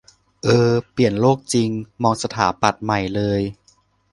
เออ เปลี่ยนโลกจริง มองสถาปัตย์ใหม่เลย